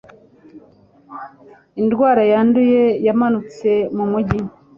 Indwara yanduye yamanutse mu mujyi.